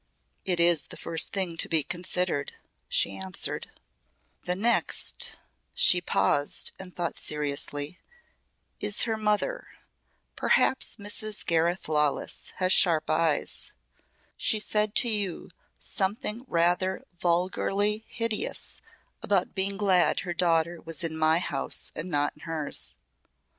"It is the first thing to be considered," she answered. "The next " she paused and thought seriously, "is her mother. Perhaps Mrs. Gareth Lawless has sharp eyes. She said to you something rather vulgarly hideous about being glad her daughter was in my house and not in hers."